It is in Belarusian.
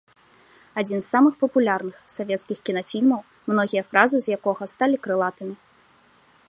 Адзін з самых папулярных савецкіх кінафільмаў, многія фразы з якога сталі крылатымі.